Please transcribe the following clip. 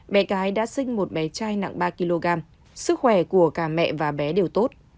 bé gái đã sinh một bé trai nặng ba kg sức khỏe của cả mẹ và bé đều tốt